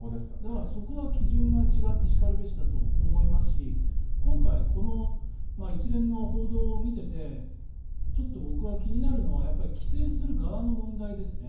そこは基準が違ってしかるべしだと思いますし今回、この一連の報道を見ていてちょっと僕は気になるのは規制する側の問題ですね。